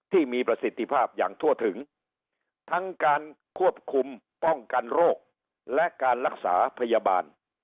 ที่มีประสิทธิภาพอย่างทั่วถึงทั้งการควบคุมป้องกันโรคและการรักษาพยาบาล